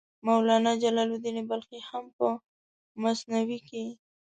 مولانا جلال الدین بلخي هم په مثنوي کې.